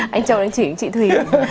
anh châu đang chỉnh chị thùy